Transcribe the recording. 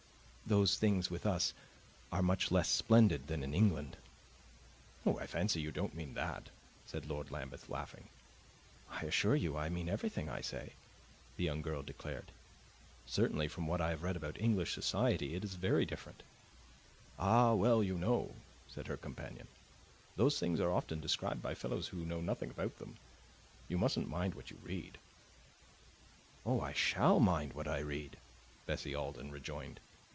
"Those things, with us, are much less splendid than in England." "I fancy you don't mean that," said Lord Lambeth, laughing. "I assure you I mean everything I say," the young girl declared. "Certainly, from what I have read about English society, it is very different." "Ah well, you know," said her companion, "those things are often described by fellows who know nothing about them. You mustn't mind what you read." "Oh, I SHALL mind what I read!" Bessie Alden rejoined.